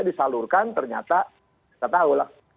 disalurkan ternyata kita tahu lah